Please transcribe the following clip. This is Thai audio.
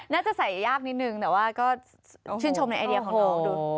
น่าจะใส่ยากนิดนึงแต่ว่าก็ชื่นชมในไอเดียของน้องดู